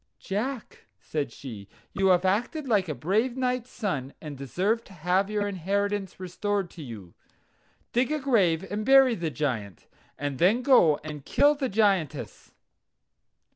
"Jack," said she, "you have acted like a brave knight's son, and deserve to have your inheritance restored to you. Dig a grave and bury the Giaint, and then go and kill the Giantess."